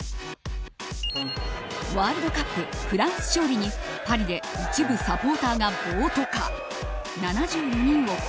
ワールドカップ、フランス勝利にパリで一部サポーターが暴徒化。